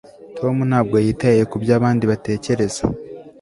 tom ntabwo yitaye kubyo abandi batekereza